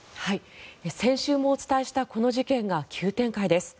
先週もお伝えしたこの事件が急展開です。